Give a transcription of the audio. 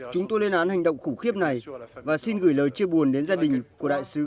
chúng tôi lên án hành động khủng khiếp này và xin gửi lời chia buồn đến gia đình của đại sứ